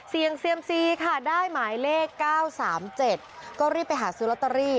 เซียมซีค่ะได้หมายเลข๙๓๗ก็รีบไปหาซื้อลอตเตอรี่